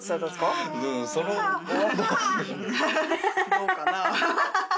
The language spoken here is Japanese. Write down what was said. どうかなぁ？